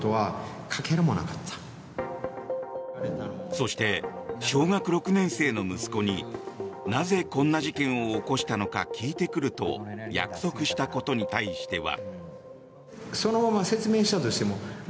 そして、小学６年生の息子になぜこんな事件を起こしたのか聞いてくると約束したことに対しては。